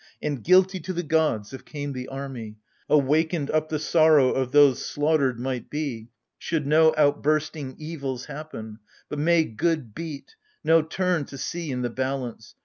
And guilty to the gods if came the army, Awakened up the sorrow of those slaughtered Might be — should no outbursting evils happen. But may good beat — no turn to see i' the balance